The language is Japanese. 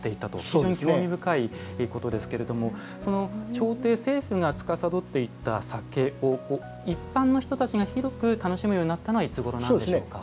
非常に興味深いことですけれども朝廷政府がつかさどっていた酒を一般の人たちが広く楽しむようになったのはいつごろなんでしょうか？